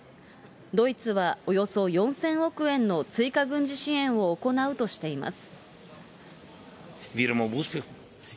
ドイツはおよそ４０００億円の追加軍事支援を行うとしています。